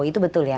itu betul ya